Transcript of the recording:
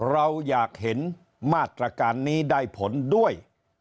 เราอยากเห็นมาตรการนี้ได้ผลด้วย